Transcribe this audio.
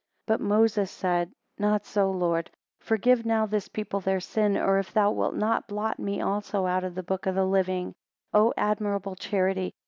13 But Moses said, Not so, Lord: Forgive now this people their sin; or if thou wilt not, blot me also out of the book of the living. O admirable charity!